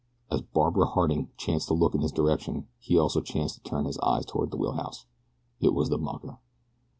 As Barbara Harding chanced to look in his direction he also chanced to turn his eyes toward the wheelhouse. It was the mucker.